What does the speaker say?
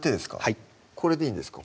はいこれでいいんですか？